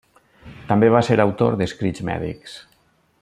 També va ser autor d'escrits mèdics.